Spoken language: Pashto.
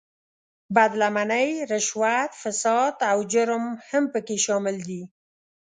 بد لمنۍ، رشوت، فساد او جرم هم په کې شامل دي.